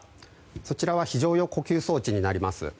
そちらは非常用呼吸装置になります。